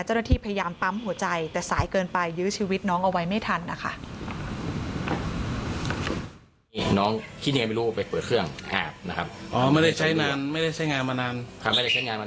เจ้าหน้าที่พยายามปั๊มหัวใจแต่สายเกินไปยื้อชีวิตน้องเอาไว้ไม่ทันนะคะ